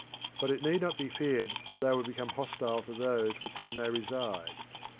But it need not be feared that they will become hostile to those with whom they reside.